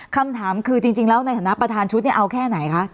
คำถามคือจริงแล้วในฐานะประธานชุดเอาแค่ไหนคะ